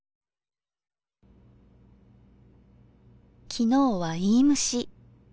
昨日はいいむし。